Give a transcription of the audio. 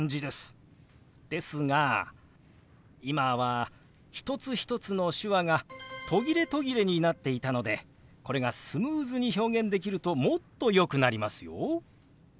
ですが今は一つ一つの手話が途切れ途切れになっていたのでこれがスムーズに表現できるともっとよくなりますよ。